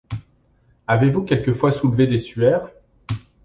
Avez-vous quelquefois soulevé des suaires?